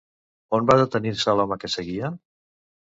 On va detenir-se l'home que seguia?